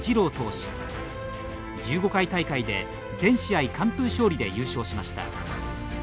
１５回大会で全試合完封勝利で優勝しました。